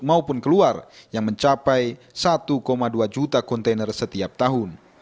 mereka mencapai satu dua juta kontainer setiap tahun